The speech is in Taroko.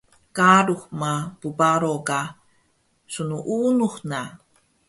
Qalux ma bbaro ka snuunux na